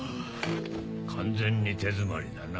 完全に手詰まりだな。